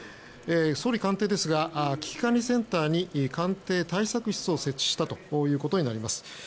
総理官邸ですが危機管理センターに官邸対策室を設置したということになります。